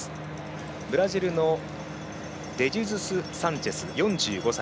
ブラジルのデジェズスサントス４５歳。